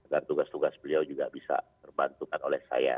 dan tugas tugas beliau juga bisa dibantukan oleh saya